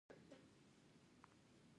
ونې د طبیعت زینت دي.